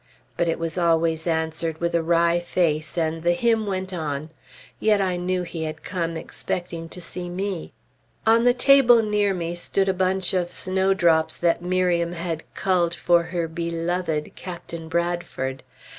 But it was always answered with a wry face, and the hymn went on. Yet I knew he had come expecting to see me. On the table near me stood a bunch of snowdrops that Miriam had culled for her beloved Captain Bradford.